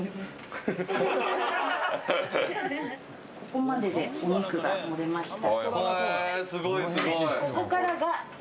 ここまでで、お肉が盛れました。